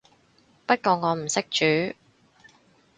不過我唔識煮